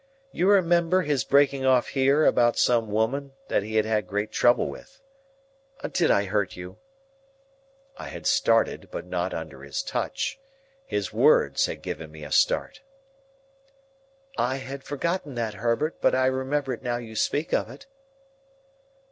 You remember his breaking off here about some woman that he had had great trouble with.—Did I hurt you?" I had started, but not under his touch. His words had given me a start. "I had forgotten that, Herbert, but I remember it now you speak of it."